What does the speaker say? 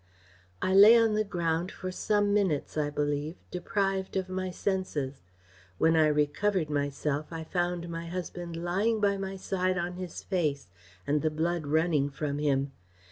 "I lay on the ground for some minutes, I believe, deprived of my senses. When I recovered myself I found my husband lying by my side on his face, and the blood running from him.